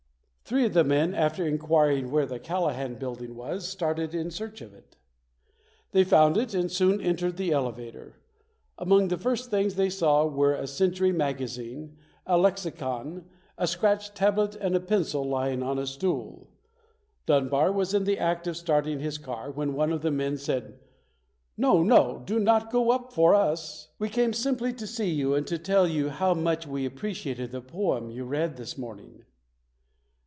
Three of the men, after inquiring where the Callahan Building was, started in search of it. They found it and soon entered the elevator. Among the first things they saw were a Century Magazine, a lexicon, a scratch tablet and a pencil lying on a stool. Dunbar was in the act of starting his car when one of the men said: "No! No! Do not go up for us ! We came simply to see you 44 ] UNSUNG HEROES and to tell you how much we appreciated the poem you read this morning".